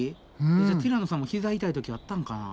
じゃあティラノさんもひざ痛い時あったんかな？